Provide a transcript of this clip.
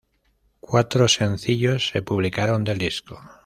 Cuatro sencillos se publicaron del disco.